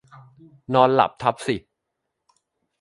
นอนหลับทับสิ